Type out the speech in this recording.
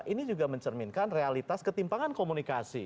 ini juga mencerminkan realitas ketimpangan komunikasi